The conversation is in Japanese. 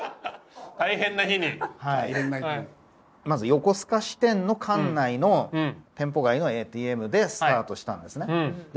まず横須賀支店の管内の店舗外のＡＴＭでスタートしたんですね。